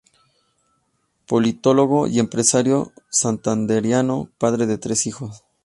Politólogo y Empresario Santandereano, padre de tres hijos.